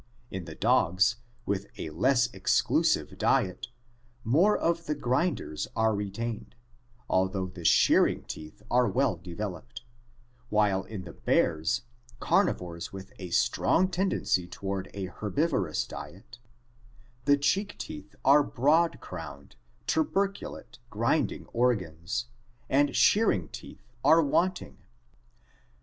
In the dogs, with a less exclusive diet, more of the grinders are retained, although the shear ing teeth are well developed, while in the bears, carnivores with a strong tendency toward an herbivorous diet (omnivorous), the cheek teeth are broad crowned, tuberculate grinding organs, and shearing teeth are wanting.